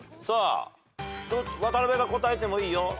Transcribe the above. さあ渡辺が答えてもいいよ。